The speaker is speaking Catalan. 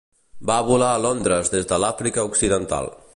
Va volar a Londres des de l'Àfrica Occidental.